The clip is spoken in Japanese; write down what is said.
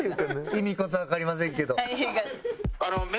意味こそわかりませんけど。